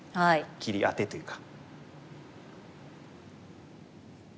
切りアテというか。